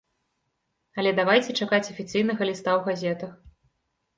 Але давайце чакаць афіцыйнага ліста ў газетах.